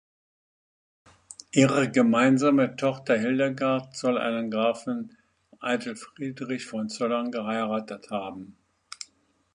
Ihre gemeinsame Tochter Hildegard soll einen Grafen Eitel Friedrich von Zollern geheiratet haben.